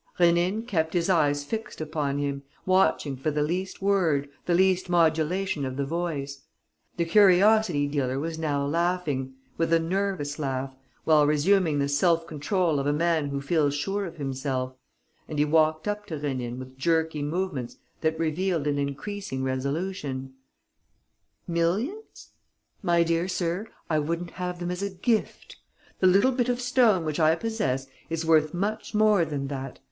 Rénine kept his eyes fixed upon him, watching for the least word, the least modulation of the voice. The curiosity dealer was now laughing, with a nervous laugh, while resuming the self control of a man who feels sure of himself: and he walked up to Rénine with jerky movements that revealed an increasing resolution: "Millions? My dear sir, I wouldn't have them as a gift. The little bit of stone which I possess is worth much more than that.